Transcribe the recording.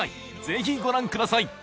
ぜひご覧ください